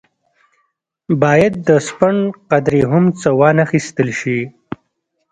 باید د سپڼ قدرې هم څه وانه اخیستل شي.